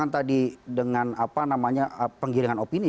kalau di tak katakan tadi dengan apa namanya penggiringan opini